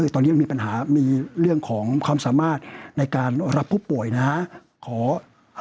ตอนนี้มันมีปัญหามีเรื่องของความสามารถในการรับผู้ป่วยนะฮะ